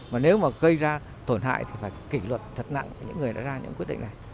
mà nếu mà gây ra tổn hại thì phải kỷ luật thật nặng những người đã ra những quyết định này